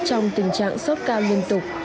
trong tình trạng sốc cao liên tục